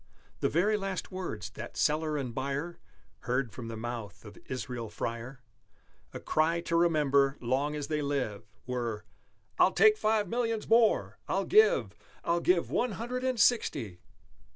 The very last words that seller and buyer Heard from the mouth of Israel Freyer A cry to remember long as they live Were, "I'll take Five Millions more! I'll give I'll give One Hundred and Sixty!"